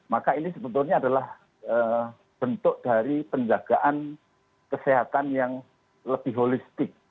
maka ini sebetulnya adalah bentuk dari penjagaan kesehatan yang lebih holistik